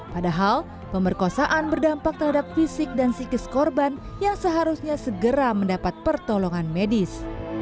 padahal pemerkosaan berdampak terhadap fisik dan psikis korban yang seharusnya segera mendapat pertolongan medis